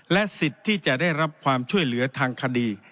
สิทธิ์ที่จะได้รับความช่วยเหลือทางคดี